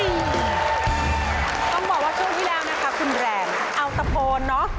ต้องบอกว่าช่วงที่แล้วนะคะคุณแรงเอาตะโพนเนอะ